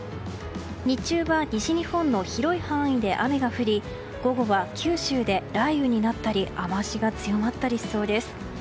日中は西日本の広い範囲で雨が降り午後は九州で雷雨になったり雨脚が強まったりしそうです。